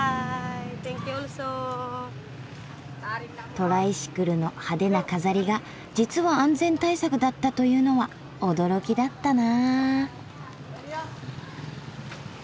トライシクルの派手な飾りが実は安全対策だったというのは驚きだったな。